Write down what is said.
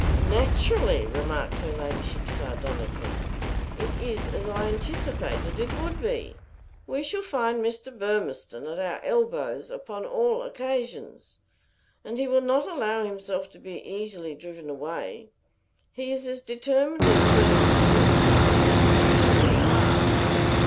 "Naturally!" remarked her ladyship sardonically. "It is as I anticipated it would be. We shall find Mr. Burmistone at our elbows upon all occasions. And he will not allow himself to be easily driven away. He is as determined as persons of his class usually are."